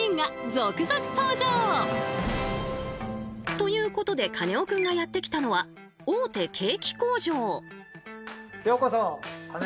ということでカネオくんがやって来たのは大手ケーキ工場。